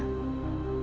mau lewat rumahnya